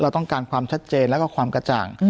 เราต้องการความชัดเจนแล้วก็ความกระจ่าง